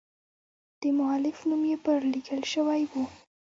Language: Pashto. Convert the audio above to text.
د مؤلف نوم یې پر لیکل شوی و.